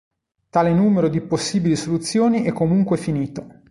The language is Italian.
Tale numero di possibili soluzioni è comunque "finito".